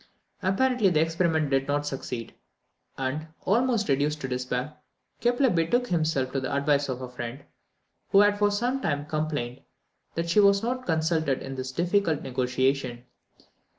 Apparently the experiment did not succeed; and, almost reduced to despair, Kepler betook himself to the advice of a friend, who had for some time past complained that she was not consulted in this difficult negotiation.